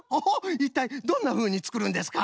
いったいどんなふうにつくるんですか？